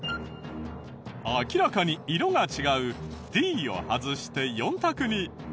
明らかに色が違うＤを外して４択に。